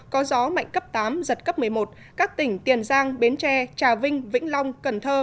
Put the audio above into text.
có gió mạnh cấp tám giật cấp một mươi một các tỉnh tiền giang bến tre trà vinh vĩnh long cần thơ